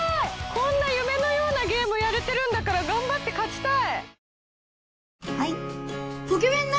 こんな夢のようなゲームやれてるんだから頑張って勝ちたい！